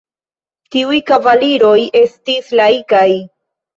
Tiuj kavaliroj estis laikaj.